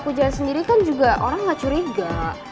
aku jalan sendiri kan juga orang gak curiga